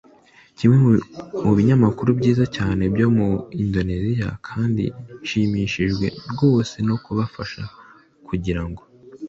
kimwe mu binyamakuru byiza cyane byo muri indoneziya kandi nshimishijwe rwose no kubafasha kugira ngo